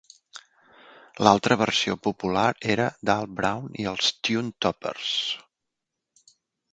L'altra versió popular era d'Al Brown i els Tunetoppers.